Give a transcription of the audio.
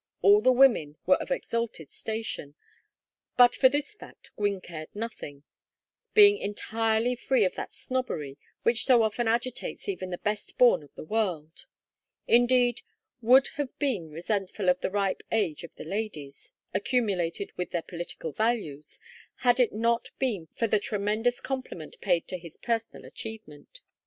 All the women were of exalted station, but for this fact Gwynne cared nothing, being entirely free of that snobbery which so often agitates even the best born of the world; indeed, would have been resentful of the ripe age of the ladies accumulated with their political values had it not been for the tremendous compliment paid to his personal achievement.